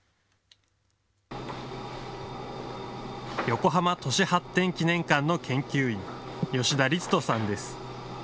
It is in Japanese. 横浜都市発展記念館の研究員、吉田律人さんです。